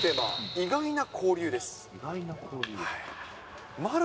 意外な交流？